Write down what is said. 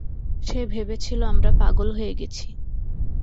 সে ভেবেছিলো আমরা পাগল হয়ে গেছি।